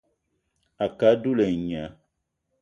A ke á dula et nya